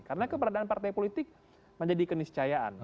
karena keberadaan partai politik menjadi keniscayaan